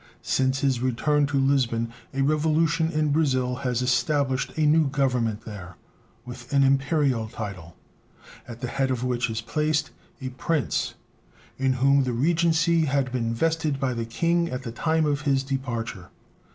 Since his return to Lisbon a revolution in Brazil has established a new Government there with an imperial title, at the head of which is placed a prince, in whom the regency had been vested by the King at the time of his departure.